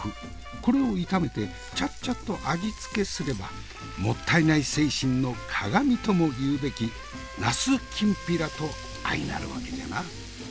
これを炒めてチャッチャッと味付けすればもったいない精神のかがみともいうべきナスきんぴらと相なるわけじゃな。